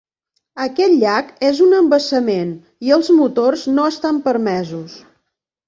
Aquest llac és un embassament i els motors no estan permesos.